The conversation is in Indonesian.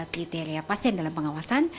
kriteria pasien dalam pengawasan